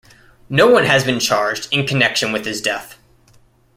No one has been charged in connection with his death.